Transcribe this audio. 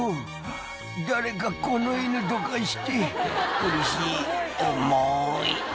「誰かこの犬どかして」「苦しい重い」